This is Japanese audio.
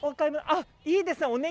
あっいいですね。